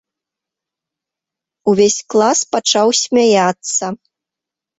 Увесь клас пачаў смяяцца.